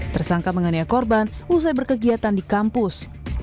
tersangka menganiaya korban usai berkegiatan di kampus